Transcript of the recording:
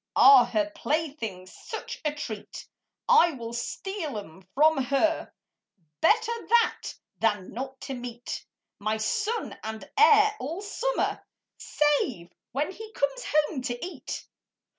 Are her playthings such a treat? I will steal 'em from her; Better that than not to meet My son and heir all summer, Save when he comes home to eat.